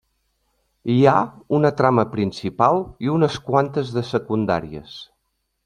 Hi ha una trama principal i unes quantes de secundàries.